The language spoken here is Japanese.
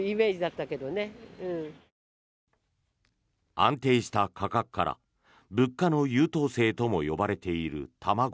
安定した価格から物価の優等生とも呼ばれている卵。